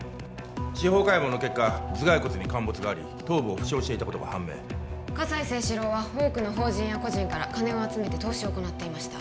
司法解剖の結果頭蓋骨に陥没があり頭部を負傷していたことが判明葛西征四郎は多くの法人や個人から金を集めて投資を行っていました